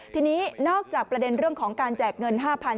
ทีนี้นอกจากประเด็นเรื่องของการแจกเงิน๕๐๐๐